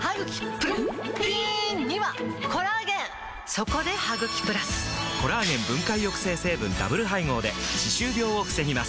そこで「ハグキプラス」！コラーゲン分解抑制成分ダブル配合で歯周病を防ぎます